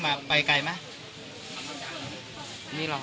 แล้วออกไปจากนี้ต่อน